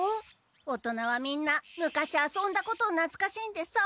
大人はみんな昔遊んだことをなつかしんでさんかしたがるんだ。